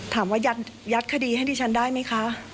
ถามว่ายัดคดีให้ดิฉันได้ไหมคะ